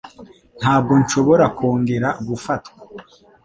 Ntabwo nshobora kongera gufatwa